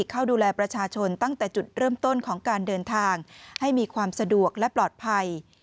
เข้าดูแลประชาชนตั้งแต่จุดเริ่มต้นของการเดินทางให้มีความสะดวกและปลอดภัย